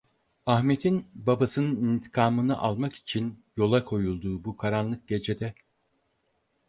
Ahmet'in, babasının intikamını almak için yola koyulduğu bu karanlık gecede.